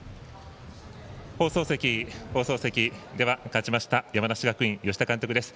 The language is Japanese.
放送席、放送席勝ちました、山梨学院吉田監督です。